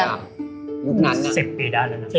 ยุคนั้นน่ะ๑๐ปีได้เลย